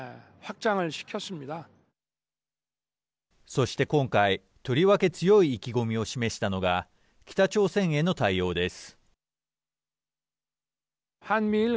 そして今回、とりわけ強い意気込みを示したのが北朝鮮への対応です。